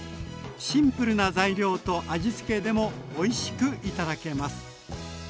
シンプルな材料と味付けでもおいしくいただけます。